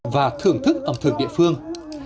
và thưởng thức ẩm thực địa phương